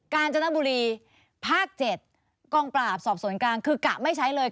การจนบุรีภาค๗กองปราบสอบสวนกลางคือกะไม่ใช้เลย